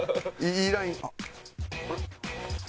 いいライン。